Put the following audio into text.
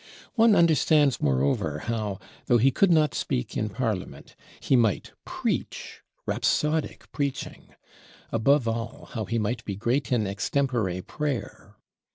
One understands moreover how, though he could not speak in Parliament, he might preach, rhapsodic preaching; above all, how he might be great in extempore prayer.